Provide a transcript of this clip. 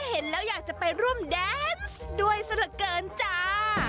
เห็นแล้วอยากจะไปรุ่มแดนซ์ด้วยสละเกินจ้า